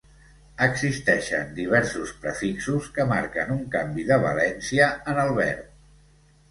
Existeixen diversos prefixos que marquen un canvi de valència en el verb.